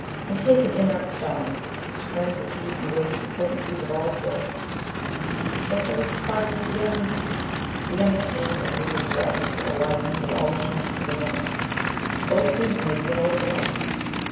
And take an inert stone: it's crammed with heat and weight and potencies of all sorts. What holds its particles together indeed? We understand it as little as gravity or why a needle always turns to the 'North.' Both things may be a mode of life...."